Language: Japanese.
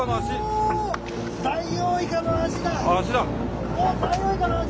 おダイオウイカの足だ！